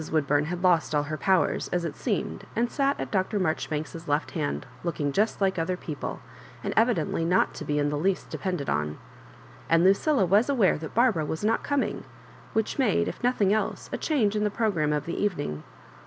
Woodbum had lost all her powers, as it seemed, and sat at Dr. Marjoribanks's left hand, looking just like other people, and evidently not to be in the least depended on; and Lucilla was a^vare that Barbara was not coming, which made, if nothing else, a change in the progranune of the evening.